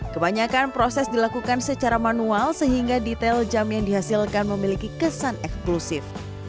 kebanyakan proses dilakukan secara manual sehingga detail jam yang dihasilkan memiliki kesan eksklusif